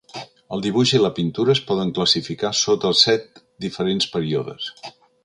El dibuix i la pintura es poden classificar sota set diferents períodes.